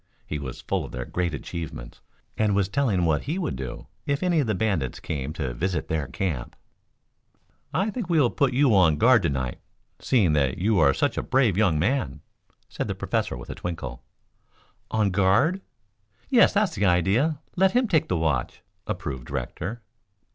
He was full of their great achievements and was telling what he would do if any of the bandits came to visit their camp. "I think we will put you on guard to night, seeing that you are such a brave young man," said the professor with a twinkle. "On guard?" "Yes." "Yes, that's the idea. Let him take the watch," approved Rector.